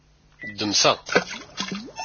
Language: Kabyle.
Ddem ta.